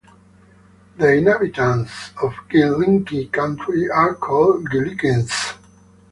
The inhabitants of Gillikin Country are called Gillikins.